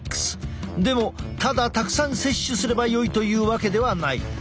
でもただたくさん摂取すればよいというわけではない。